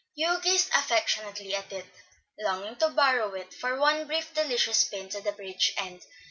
Hugh gazed affectionately at it, longing to borrow it for one brief, delicious spin to the bridge end.